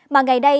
mà ngày nay